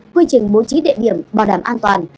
quy trình bố trí địa điểm bảo đảm an toàn